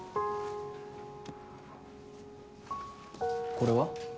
これは？